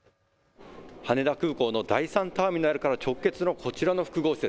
羽田空港の第３ターミナルから直結のこちらの複合施設。